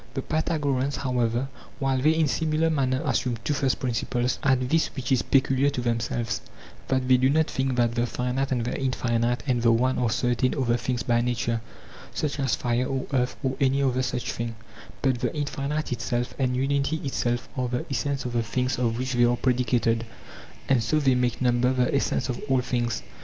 The Pythagoreans, however, while they in similar manner assume two first principles, add this which is peculiar to themselves: that they do not think that the finite and the infinite and the one are certain other things by nature, such as fire or earth or any other such thing, but the infinite itself and unity itself are PYTHAGORAS AND THE PYTHAGOREANS 139 the essence of the things of which they are predicated, and so they make number the essence of all things.